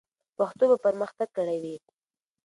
پښتو به پرمختګ کړی وي.